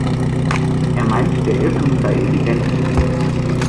Er meint, der Irrtum sei evident.